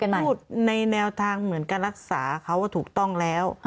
พูดในแนวทางเหมือนการรักษาเขาว่าถูกต้องแล้ว